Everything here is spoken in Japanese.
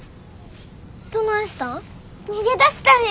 どないしたん？